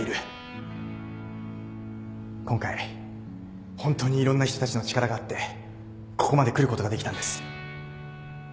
今回本当にいろんな人たちの力があってここまで来ることができたんです。